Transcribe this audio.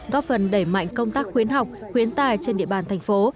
góp phần đẩy mạnh công tác khuyến học khuyến tài trên địa bàn thành phố